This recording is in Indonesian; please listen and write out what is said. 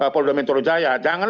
poludah metro jaya jangan